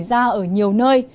xảy ra ở nhiều nơi